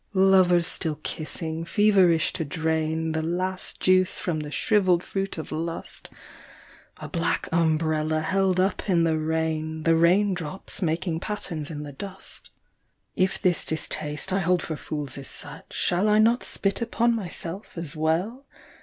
Lovers still kissing, feverish to drain The last juice from the shrivelled fruit of lust : A black umbrella held up in the rain, The raindrops making patterns in the dust. 59 If this distaste I hold for fools is such, Shall I not spit upon myself as well